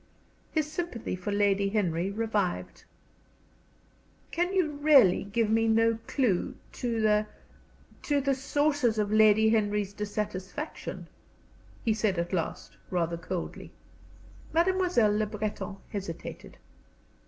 His sympathy for Lady Henry revived. "Can you really give me no clew to the to the sources of Lady Henry's dissatisfaction?" he said, at last, rather coldly. Mademoiselle Le Breton hesitated.